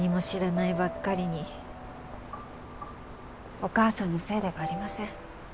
お母さんのせいではありません。